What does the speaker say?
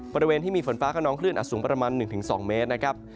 บริเวณที่มีฝนฟ้าขนองคลื่นอาจสูงประมาณ๑๒เมตรนะครับ